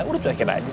udah cuekin aja